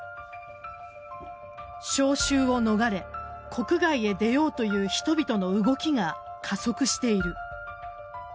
招集を逃れ国外へ出ようという人々の動きが加速している。